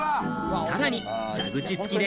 さらに蛇口付きで。